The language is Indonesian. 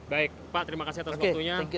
baik pak terima kasih atas waktunya